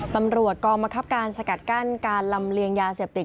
ตำรวจกองบังคับการสกัดกั้นการลำเลียงยาเสพติด